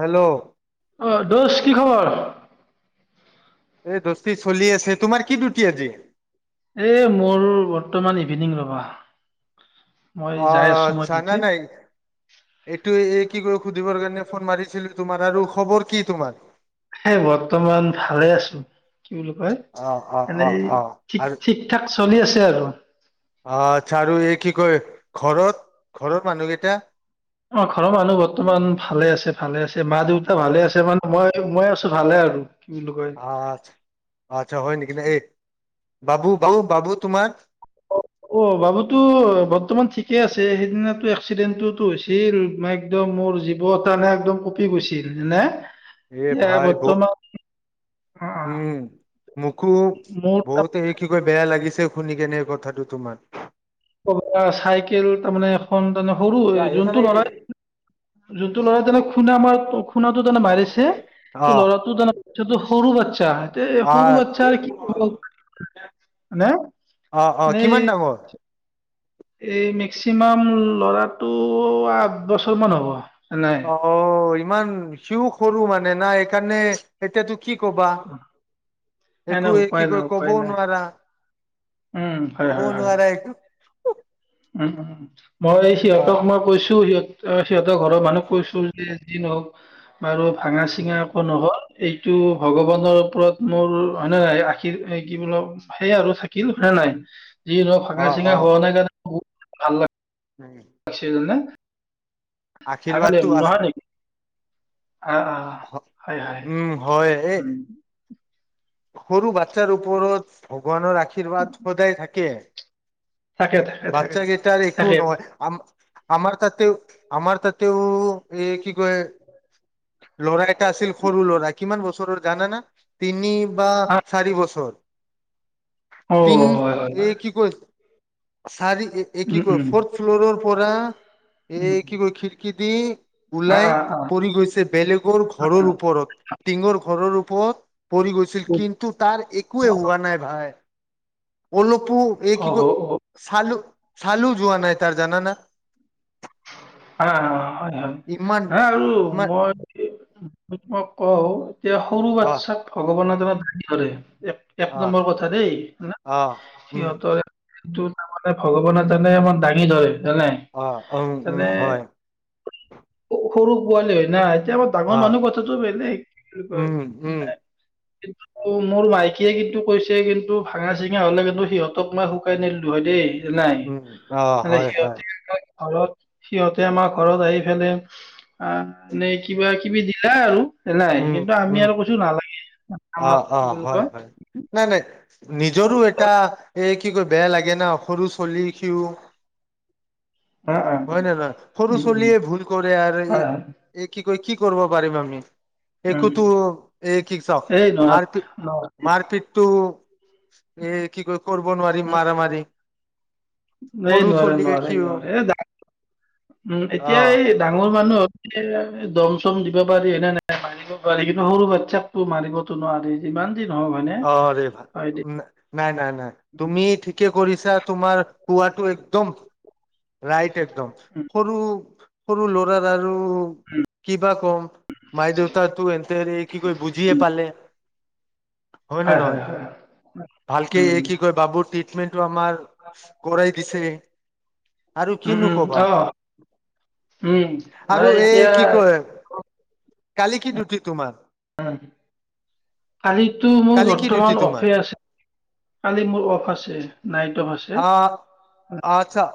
Hello [unintelligible] দুচ কি খবৰ? এই দস্তি চলি আছে তোমাৰ কি ডিউটি আজি? এ মোৰ বৰ্তমান ইভিনিং ৰবা। মই অ যাই আছোঁ মই আচ্ছা না ডিউটিত। নাই এইটো এই কি ক সুধিবৰ কাৰণে ফোন মাৰিছিলো তোমাৰ আৰু খবৰ কি তোমাৰ? হেই বৰ্তমান ভালে আছো কি বুলি কয় অ অ অ এনেই অ ঠিক আৰু ঠিক ঠাক। চলি আছে আৰু অ আচ্ছা আৰু এই কি কয় ঘৰত ঘৰত মানুহ কেইটা অ ঘৰৰ মানুহ বৰ্তমান ভালে আছে ভালে আছে মা দেউতা আৰু ভালে আছে মানে মই মই ভালে আৰু কি বুলি কয়। আ আচ্ছা হয় নেকি ন এই বাবু বাবু বাবু তোমাৰ অ বাবুতো বৰ্তমান ঠিকে আছে সেইদিিননাো এক্সিডেণ্টটোতো হৈছিল একদম মোৰ জীৱ এটা নে একদম কঁপি গৈছিলনেে এ ভাই ব অ' অ, উম মোকো মোৰ বহুতে কিবা বেয়া লাগিছে শুনি কেনে এই কথাটো তোমাৰ চাইকেল তাৰমানে এখন সৰু যোনটো ল'ৰাই যোনটো ল'ৰাই তেনে শুনে আমাৰ অ শুনাটো তানে মাৰিছে ত আহ ল'ৰাটো তানে ইটো সৰু বচ্চা এ আহ অ সৰু আ বাচ্ছাৰ কি হ হনে অ অ এনেই কিমান ডাঙৰ এই মেক্সিমাম ল'ৰাটো আঠ বছৰ মান হ'ব নাই অ ইমান সিউ সৰু মানে নাই সেইকাৰণে এতিয়াতো কি কবা নাই নাই একো উপায় কি নাই কৈ উপায় কবও নাই নোৱাৰা উম হয় হ'ব হয় হয় নোৱাৰা এইটো [unintelligible] মই অ সিহঁতক মই কৈছো সিহঁত সিহঁতৰ ঘৰৰ মানুহক কৈছো যে যি নহওক বাৰু ভাঙা চিঙা উম, একো নহ'ল এইটো ভগৱানৰ ওপৰত মোৰ হয়নে নাই আশীৰ কি বোল সেইয়া আৰু থাকিল হয়ে নাই যিহ অ ফাঙা অ চিঙা হোৱা নাই কাৰণে। ভাল উম পিছে যোনে থাকালেম আশীৰ্বাদটো আছে নহা নেকি অ অ হয় হয় উম [inaudible] সৰু ব চাৰ ওপৰত ভগৱানৰ আশীৰ্বাদ সদায় থাকে থাকে থাকে থাকে বাচ্ছাকেইটাৰ একো থাকে নহয় আমাৰ তাতেও আমাৰ তাতেও এই কি কয়। ল'ৰা এটা আছিল সৰু ল'ৰা কিমান বছৰৰ গানা ন তিনি বা আহ চাৰি বছৰ অ তিনি হয় হয় এই হয়। কি কয় চাৰি একি উম কৰে উম ফ'ৰ্থ ফ্ল'ৰৰ পৰা এ উম কি ক খি কিদি। আহ ওলাই আহ আহ পৰি গৈছে বেলেগৰ ঘৰৰ ওপৰত টিঙৰ ঘৰৰ ওপ পৰি গৈ কিন্তু তাৰ একোৱেই হোৱা নাই ভাই। অলপো এই কি ক আহ, অ অ চাল চালো যোৱা নাই তাৰ জান ন হ হয় হয় ইমান হা আৰু ইমান মই মই তোমাক ক। এয়া সৰু অহ বাচ্ছাক ভগৱানৰ জন কৰে এক এক অহ নম্বৰ কথা দেই ন অহ উম সিহঁতৰ। কিন্তু তাৰমানে ভগৱানে জানে ইমান দাঙি ধৰে। জানে অ অ। উম, তেনে হয়। সৰু পোৱালি হয় না এতিয়া আমাৰ ডাঙৰ অহ মানুহ কথাটো বেলেগ, কি বুলি কয়। উম উম কিন্তু, মোৰ মাইকীয়ে কিন্তু, কৈছে কিন্তু, ভাঙা ছিঙা হ'লে কিন্তু, সিহঁতক মই শুকাই নেৰলো হয় দেই। নাই। উম অহ মানে, হয় হয় সিহঁতি [unintelligible] সিহঁতে আমাৰ ঘৰত আহি পেনে, আঁ এ, কিবা কিবি দিলা আৰু। নাই। উম কিন্তু, আমি উম আৰু কৈছোঁ নালাগে। আমাক অ'! কি অ'! বুলি হয়, কয় হয়। নাই, নাই। অ নিজৰো এটা এ, কি কয়! বেয়া লাগে ন' সৰু ছোৱালী সিও! অ অ। হয় নে নহয়। সৰু উম উম চোৱালীয়ে ভুল কৰে আৰু হয় হয় এই কি কৰিব পাৰিম আমি? উম একোতো এ'কি চাওঁক? এই নোৱাৰ মাৰপিত, মাৰপিতটো এই কি ক কৰিব নোৱাৰি মাৰামাৰি। এই নোৱাৰে, নোৱাৰে, নোৱাৰে। এই উম, এতিয়া আহ এই ডাঙৰ মানুহ দম চম দিব পাৰি নে, নাই মাৰিব পাৰি। কিন্তু, সৰু বাচ্ছাকটো মাৰিবতো নোৱাৰি। যিমান যি নহওক হয়নে অ'! ৰে ভাল হয় দে নাই, নাই, নাই। তুমি ঠিকে কৰিছা। তোমাৰ পোৱাটো একদম ৰাইট। একদম উম। সৰু সৰু ল'ৰাৰ আৰু আৰু কিবা কম। মাই দেউতাই টো এতে এ, কি কয়, বুজিয়ে নাপালে। হয় নে নহয়? ভালকে উম এই কি কয় [unintelligible] আমাৰ ঘৰেই দিছে আৰু উম কিনো উম ক'বা অ উম আৰু নহয় এই এতিয়া কি কয় কালি কি ডিউটি তোমাৰ? উম! কালিতো মোৰ কালি কি ডিউটি বৰ্তমান তোমাৰ অফে আছে। কালি মোৰ অফ আছে। নাইট অফ আছে অ'! অ'! আচ্ছা!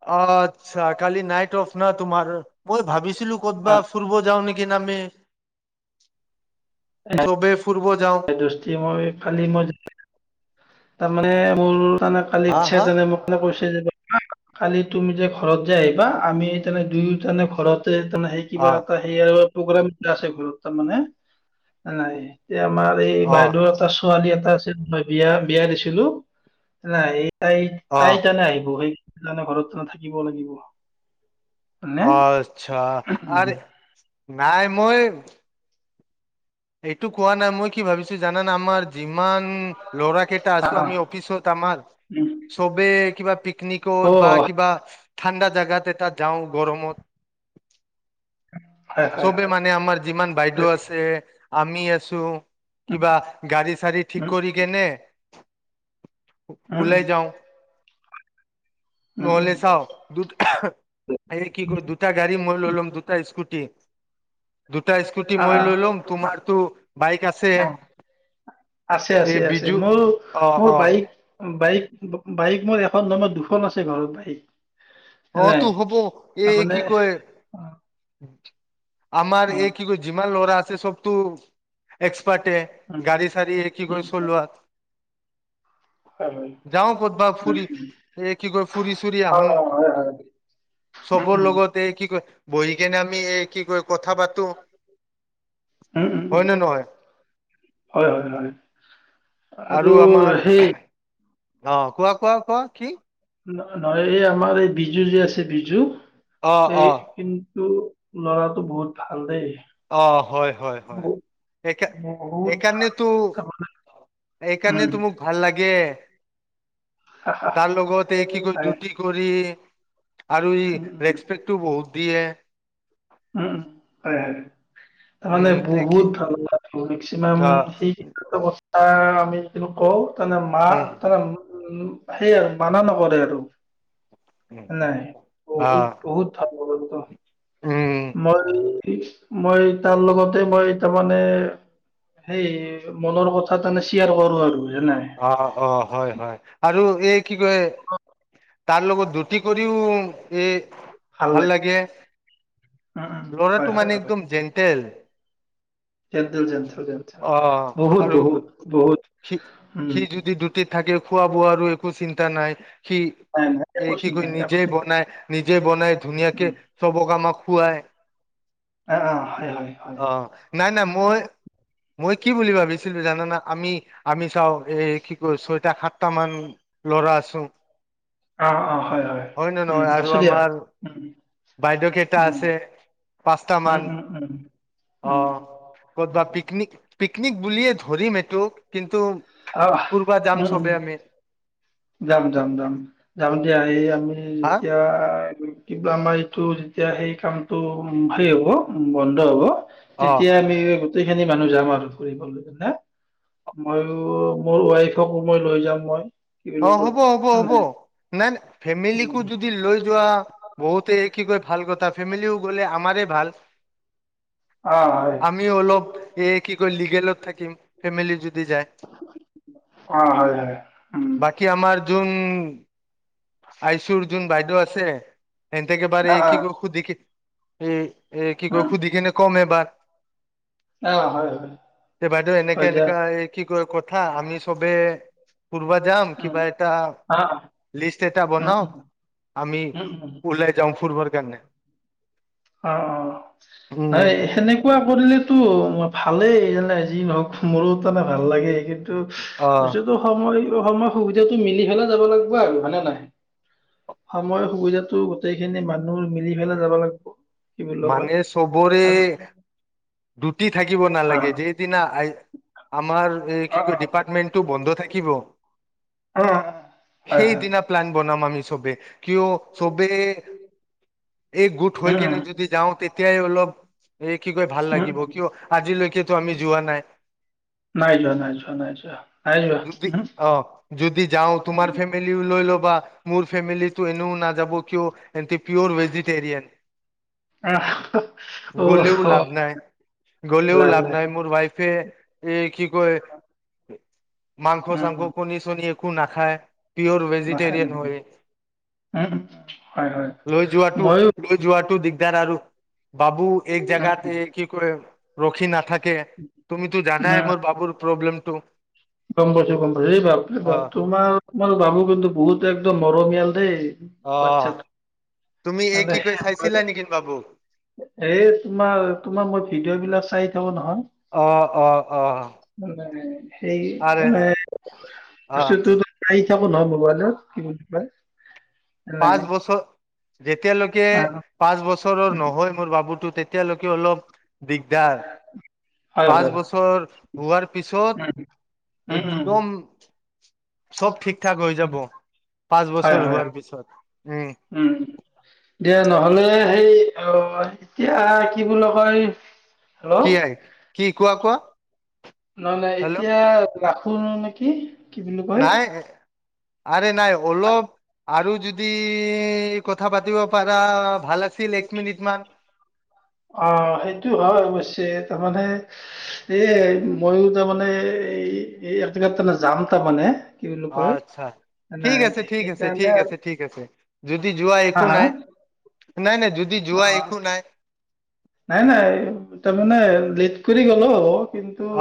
অ'! আচ্ছা! কালি নাইট অফ [unintelligible] তোমাৰ মই ভাবিছ ছিলো হয় ক'তবাত ফুৰি যাও নেকি হে মানে চবে ফুৰ ব দস্তি মই কালি মই তাৰ মানে মোৰ তই মোক কালি হা ইচ্ছা হা যোৱা নাই মোক মা কৈছে যে কালি তুমি যে ঘৰত যে আহিবা আমি তা দুয়োজনে ঘৰত তে তুমি সেই কিবা অ এটা সেইত প্ৰগ্ৰাম আছে ঘৰত তা মানে নাই এতিয়া আমাৰ এই অ বাইদেউ এটা ছোৱালী এটা এটা আছিল মই বিয়া বিয়া দিছিলো তা এই তাই অ তাই কাৰণে আহিব সেই মানে ঘৰত মই থাকিব লাগিব হয়নে আচ্ছা আৰে নাই মই এইটো কোৱা নাই মই কি ভাবিছো জানানা আমাৰ জিম ইমান ল'ৰা কেইটা অ আছো অ আমি অফিচত আমাৰ উম, চবে কিবা পিক অ পিকনিকত বা কিবা ঠাণ্ডা জাগা এটাত যাওঁ গৰমত হয় হয় চবে হয় মানে আমাৰ যিমান বাইদেউ হয় আছে আমি আছো কিবা গাড়ী চাড়ী ঠিক উম কৰি কেনে উম ওলাই যাও উম উম নহ'লে উম চাও দুট এই কি কয় দুটা গাড়ী মই লৈ লম দুটা স্কুটি দুটা স্কুটি অ মই লৈ লম তোমাৰ অ আছে আছে এই আছে বিজু মোৰ অ মোৰ অ বাইক বাইক বা বাইক মোৰ এখন নহয় দুখন আছে ঘৰতেই অ তো হ'ব এই কি কয় উম আমাৰ এই কি কয় যিমান ল'ৰা আছে চব তোৰ এক্স গড়ী চাৰি কি কৰি চলোৱাত অ অ উম উম হয় হয় যাওঁ কতবা ফুৰি এই কি কয় ফুৰি চুৰি অ আহো অ হয় হয় হয় হয় উম উম চবৰ লগত এই কি কয়? বহি কেনে আমি এই কি কয় কথা পাতো উম উম উম হয় নে নহয় হয় হয় হয় আৰু সেই অ কোৱা কোৱা কোৱা কি‌‌? ন নহয় এই আমাৰ এই বিজু যে আছে বিজু অ এই অ কিন্তু ল'ৰাটো বহুত ভাল দেই অ হয় হয় হয় বহুত স বহুত ভাল এইকাৰণেতো তাৰমানে উম এইকাৰণেতো মোক ভাল লাগে হা হা তাৰ লগতে কি কৰি হয় ডিউটি কৰি আৰু ই উম উম ৰেচপেক্টো বহুত দিয়ে উম উ হয় হয় তাৰ মানে উম, দেখি বহুত ভাল লগ মেক্সিমাম আহ, সেই কথা আহ আমি কিনো কওঁ তাৰ মা উম, তনে [unintelligible] উম সেইয়াই মানা নকৰে আৰু উম, নাই বহুত আহ, বহুত ভাল অ উম, মই মই তাৰ লগতে মই তাৰ মানে সেই মনৰ কথা তাৰমানে শ্বেয়াৰ কৰো আৰু নাই অ অ হয় হয় আৰু এক কি কয় তাৰ লগত ডিউটি কৰিও এই ভাল লাগে উম, উম, ল'ৰাটো হয়, হয়, মানে হয় একদম জেণ্টেল জেণ্টেল, জেণ্টেল, জেণ্টোল অ', বহুত আৰু বহুত বহুত সি সি উম যদি ডিউটি থাকে খোৱা বোৱাৰো একো চিন্তা নাই। সি নাই নাই এই একো কি চিন্তা কয় নাই একো নিজে চিন্তা নাই বনাই নিজে বনাই ধুনীয়াকে উম, চবকে আমাক খুৱায় অ', অ', হয়, হয়, হয়। আহ। নাই নাই মই মই কি বুলি ভাবিছিলোঁ জানানা আমি আমি চাওঁ। এই কি কয় ছয়টা সাতটা মান ল'ৰা আছো। অ অ হয় হয় নে উম নহয় আৰু আছো দিয়া উ আমাৰ বাইদেউ কেইটা আছে? পাঁচটা উম মান, উম উম অ উম ক'ত বা পিকনিক পিক নিক বুলিয়ে ধৰিম এইটোক, কিন্তু আহ পূৰ্বা উম যাম উম চবে আমি। যাম যাম যাম যাম দিয়া, এই আমি উম হা এতিয়া কিবা আমাৰ এইটো যেতিয়া সেই কামটো হে হব, বন্ধ হব। অ তেতিয়া আমি গোটেইখিনি মানুহ যাম আৰু ফুৰিবলৈ নে, মইও মোৰ ৱাইফকো মই লৈ যাম মই। কি অ বুলি হ'ব হ'ব হ'ব, নাই নাই ফেমিলি কো কয় যদি লৈ যোৱা, বহুতে কি কয় ভাল কথা ফেমিলিও গলে আমাৰেই ভাল। অ হয় আমিও অলপ, এই কি কয় লিগেলত থাকিম, ফেমিলি যদি যায়। অ হয় হয় উম বাকী আমাৰ যোন, আইচুৰ যোন বাইদেউ আছে এনতে কে বাৰে অ অ কি খুদি কি উম। এ কি কয় সুধি কেনে কম এবাৰ অ হয় হয় তে বাইদেউ এনেকে হয় দিয়া এনেকা এই কি কথা আমি চবে ফুুৰব যাম উম, কিবা এটা অ', লিষ্ট এটা উম, বনাও, উম, আমি উম, উম, ওলাই যাও ফুুৰবৰ কাৰণে। অ অ, ন উম সেনেকুৱা কৰিলেতো ম ভালেই যোনে যি নহক মোৰো তাৰমানে ভাল লাগে অ স ছেতটো সময় ত সময় সুবিধাটো মিলি পেলাই যাব লাগিব আৰু হয়নে নাই, সময়ৰ সুবিধাটো গোটেই খিনি মানুহ মিলি পেলাই যাব লাগিব। কি বুলি কয় মানে চবৰে আৰু দুুটি থাকিব নালাগে, অ', যেদিনা আ আমাৰ এই অ', কি অ', কয়, ডিপাৰ্টমেন্টটো বন্ধ থাকিব। অ', অ, হয়, হয়, সেইদিনা প্লান বনাম আমি। চবে কিয় চবে, একগোট উম, উম, হয়কিনে যদ যদি যাওঁ তেতিয়াই অলপ। এই কি কয় ভাল উম, লাগিব উম। কিয় আজিলৈকেতো আমি যোৱা নাই নাই যোৱা, নাই যোৱা, নাই যোৱা, নাই যোৱা, যদি উহু, অ যদি যাওঁ তোমাৰ উম, ফেমিলি লৈ ল। বা মোৰ ফেমিলিটো এনেও নাযাব কিয় এহেতি পিয়ৰ ভেজিতেৰিয়ান। আহ, অ', গলেও হ, লাভ নাই গ'লেও লাভ নাই মোৰ ৱাইফে এই কি কয়। মাস উম, চাংস উম, কনি শনি এক। একো নাখায়। পিঅৰ নাখায়, ভেজিটৰিয়ন নাখায়। হয় উম, হয়, হয়। লৈ যোৱাটো ময়ো লৈ যোৱাটো দি। দিগদাৰ আৰু। বাবু এক উম, জাগাতে কি কয়। ৰখি নাথাক। তুমিতো উম, জানাই মোৰ বাবুৰ। প্ৰব্লেমটো। গম পাইছো গম পাইছো এই বাবু অ', তোমাৰ তোমাৰ বাবু কিন্তু বহুত একদম মৰমীয়াল। দেই। অহ। বাচ্ছাটো এই তোমাৰ তোমাৰ মই ভিডিঅ। ভিডিওঅবিলাক চাই থাকো ন। অহ অ অহ। মানে সেই মানে অ', বস্তুটো অহ থাকো নহয় মোবাইলত কি বুলি কয়। নাই পাঁচ বছৰ। যেতিয়ালৈকে আহ, পাঁচ বছৰৰ নহয় মোৰ বাবুটো। তেতিয়ালৈকে অলপ। দিগদাৰ হয়, পাঁচ হয়, হয়। বছৰ হোৱাৰ পিছত উম, উম, উম, একদম। চব ঠিক। ঠিকঠাক হৈ যাব পাঁচ হয়, বছৰ হয়, হয়। হোৱাৰ পিছত। উম দিয়া নহ'লে সেই। অ এতিয়া কি বুলি কয়। কি হেল্ল' আই কি কোৱা কোৱা নহ নাই হেল্ল' এতিয়া। ৰাখোন নেকি? কি বোলো কয়। নাই নাই অলপ। আৰু যদি কথা কথা পাতিব পাৰা ভাল আছিলে। পাঁচমিনিট মান অ', সেইটো হয় অৱশ্যেই তাৰমানে এ মইওঁ তাৰমানে এই, এই এজাগাত যাম তাৰমানে। কি বুলি কয় আচ্ছা ঠিক, নাই আছে ঠিক, আছে সেইকাৰণে ঠিক আৰু। আছে ঠিক, আছে যদি যোৱা হা একো হা নাই, নাই, নাই যদি অ যোৱা একো নাই। নাই, নাই তাৰমানে লেট কৰি গলেওঁ।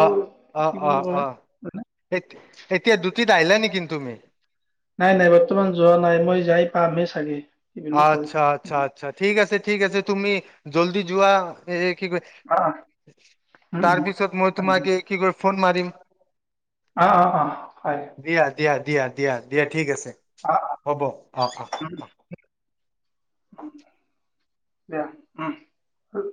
অ', অ', অ', অ', মানে, দুতি এতিয়া ডিউটিত আহিলা নেকি তুমি? নাই, নাই বৰ্তমান যোৱা নাই মই যাই পামহে চাগে। কি বুলি কয় আচ্ছা আচ্ছা আচ্ছা ঠিক আছে। ঠিক আছে তুমি জল্দি যোৱা এ অ উম তাৰপিছত মই উম তোমাকে কি কৰি ফোন মাৰিম অ অ অ হয় দিয়া, দিয়া। দিয়া, দিয়া, দিয়া ঠিক আছে। হ'ব অ', অ', উম অ', [unintelligible] এয়া উ'ম